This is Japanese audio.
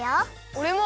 おれも！